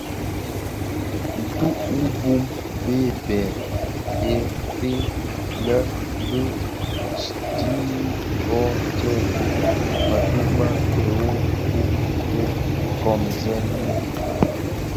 Ntug wu bum bë bè fèëfèg lè bi dhiyis bö tseghi mëtug me bhehho bum bë komzèn ňyi.